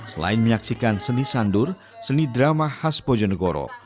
selain menyaksikan seni sandur seni drama khas bojonegoro